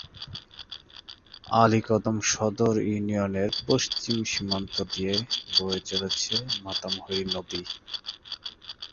আলীকদম সদর ইউনিয়নের পশ্চিম সীমান্ত দিয়ে বয়ে চলেছে মাতামুহুরী নদী।